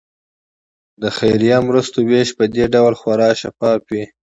د خیریه مرستو ویش په دې ډول خورا شفاف وي.